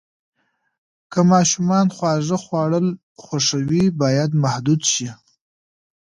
که ماشوم خواږه خوړل خوښوي، باید محدود شي.